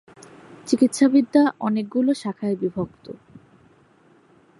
চিকিৎসাবিদ্যা অনেকগুলো শাখায় বিভক্ত।